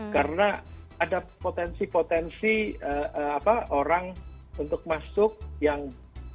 karena ada potensi potensi orang untuk masuk yang kan pada tersebut